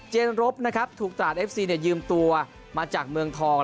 รบนะครับถูกตราดเอฟซียืมตัวมาจากเมืองทอง